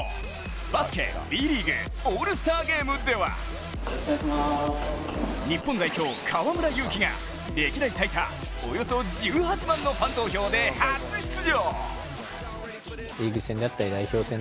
バスケＢリーグオールスターゲームでは日本代表・河村勇輝が歴代最多およそ１８万のファン投票で初出場！